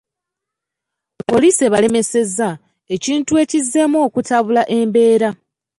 Poliisi ebalemesezza, ekintu ekizzeemu okutabula embeera.